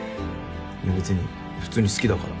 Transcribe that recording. いやべつに普通に好きだから。